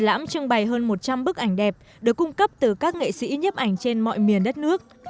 lãm trưng bày hơn một trăm linh bức ảnh đẹp được cung cấp từ các nghệ sĩ nhấp ảnh trên mọi miền đất nước